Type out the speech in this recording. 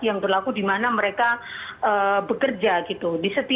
yang berlaku di mana mereka bekerja gitu